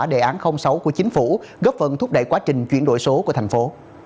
đề án sáu của chính phủ góp phần thúc đẩy quá trình chuyển đổi số của thành phố